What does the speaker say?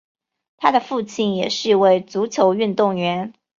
他的父亲也是一位足球运动员。